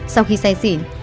sau khi say xỉn